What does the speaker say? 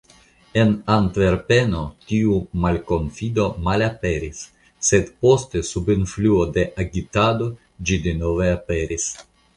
En Antverpeno, tiu malkonfido malaperis, sed poste, sub influo de agitado, ĝi denove aperis.